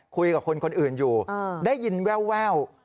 คุยกับคนอื่นอยู่ได้ยินแวว